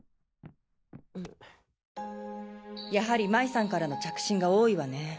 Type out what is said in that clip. やはり麻衣さんからの着信が多いわね。